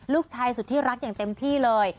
ลูกชายสุดที่รักอย่างเต็มที่เลย